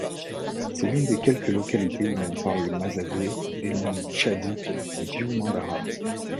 C'est l'une des quelques localités où l'on parle le mazagway, une langue tchadique biu-mandara.